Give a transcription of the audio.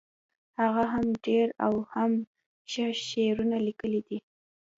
هغه هم ډیر او هم ښه شعرونه لیکلي دي